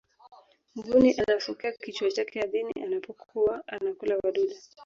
mbuni anafukia kichwa chake ardhini anapokuwa anakula wadudu